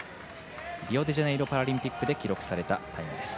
リオデジャネイロパラリンピックで記録されたタイムです。